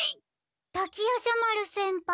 滝夜叉丸先輩